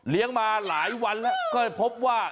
มาหลายวันแล้วก็พบว่า